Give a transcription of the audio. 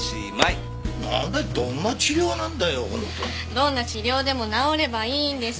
どんな治療でも治ればいいんです。